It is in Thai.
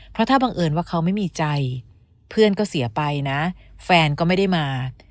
เพราะถ้าบังเอิญว่าเขาไม่มีใจเพื่อนก็เสียไปนะแฟนก็ไม่ได้มา